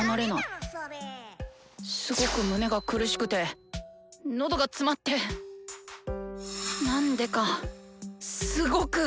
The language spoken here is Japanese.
すごく胸が苦しくて喉が詰まってなんでかすごく。